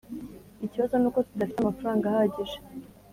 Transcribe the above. ikibazo nuko tudafite amafaranga ahagije.